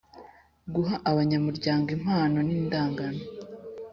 guha abanyamuryango impano n’ indagano